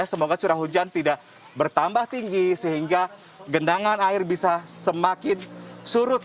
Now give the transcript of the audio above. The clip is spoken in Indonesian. semoga curah hujan tidak bertambah tinggi sehingga genangan air bisa semakin surut